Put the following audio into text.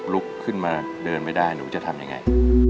ลุกขึ้นมาเดินไม่ได้หนูจะทำยังไง